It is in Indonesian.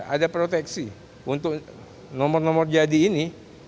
ada proteksi untuk nomor nomor jadi ini